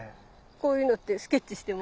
こういうのってスケッチしても。